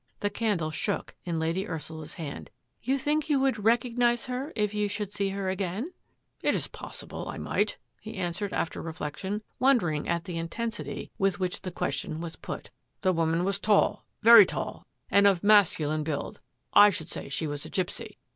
The candle shook In Lady Ursula's hand. " You think you would recognise her If you should see her again? "" It Is possible I might," he answered, after re flection, wondering at the Intensity with which the 80 THAT AFFAIR AT THE MANOR question was put. " The woman was tall, very dark, and of masculine build. I should say she was a gipsy."